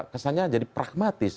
kesannya jadi pragmatis